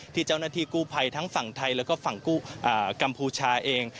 ที่เจ้าหน้าที่กู้ภัยทั้งฝั่งไทยแล้วก็ฝั่งกัมพูชาเอง